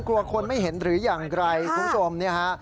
กลัวคนไม่เห็นหรืออย่างไรคุณผู้ชมเนี่ยฮะ